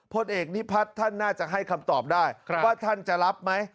พลเอกนิพัฒน์ท่านน่าจะให้คำตอบได้ว่าท่านจะรับไหม